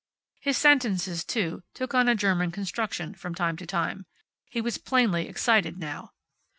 His sentences, too, took on a German construction, from time to time. He was plainly excited now.